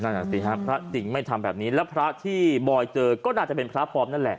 อ่ะสิฮะพระจริงไม่ทำแบบนี้แล้วพระที่บอยเจอก็น่าจะเป็นพระปลอมนั่นแหละ